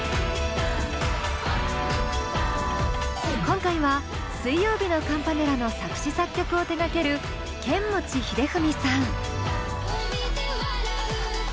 今回は水曜日のカンパネラの作詞・作曲を手がけるケンモチヒデフミさん。